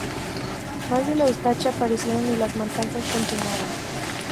Más de la Ustacha aparecieron y las matanzas continuaron.